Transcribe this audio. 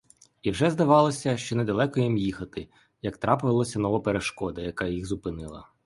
І вже здавалося, що недалеко їм їхати, як трапилася нова перешкода, яка їх зупинила.